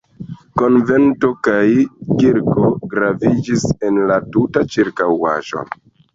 Konvento kaj kirko graviĝis en la tuta ĉirkaŭaĵo.